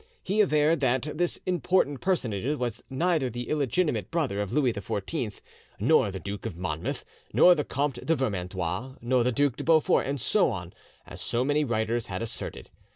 He averred that this important personage was neither the illegitimate brother of Louis XIV, nor the Duke of Monmouth, nor the Comte de Vermandois, nor the Duc de Beaufort, and so on, as so many writers had asserted."